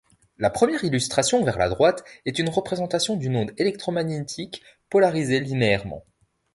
La première illustration vers la droite, est une représentation d'une onde électromagnétique polarisée linéairement.